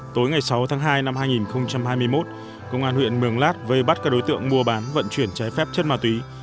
tối ngày sáu tháng hai năm hai nghìn hai mươi một công an huyện mường lát vây bắt các đối tượng mua bán vận chuyển trái phép chất ma túy